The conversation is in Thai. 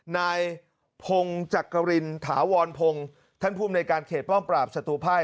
นายพงศ์จักรินถาวรพงศ์ท่านภูมิในการเขตป้อมปราบศัตรูภัย